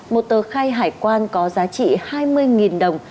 một tờ khai hải quan có giá trị hai mươi đồng